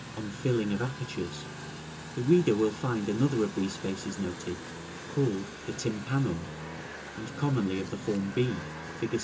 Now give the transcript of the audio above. on Filling of Apertures, the reader will find another of these spaces noted, called the tympanum, and commonly of the form b, Fig.